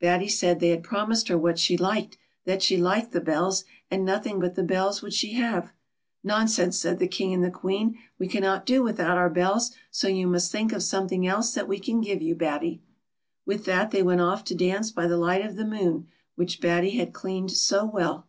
Batty said the\ had promised her what she liked, that she liked the bells, and nothing but the bells would she have. " Nonsense," said the King and the Queen, " we can not do without our bells, so you must think of some thing else that we can give you, Batty." With that they went off to dance b\' the light of the moon, which Batty had cleaned so well.